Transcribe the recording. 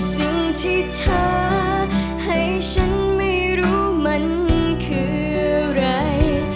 สิ่งที่เธอให้ฉันไม่รู้มันคืออะไร